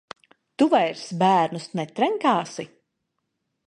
Tu vairs bērnus netrenkāsi?